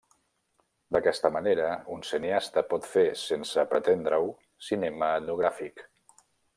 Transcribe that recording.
D'aquesta manera, un cineasta pot fer, sense pretendre-ho, cinema etnogràfic.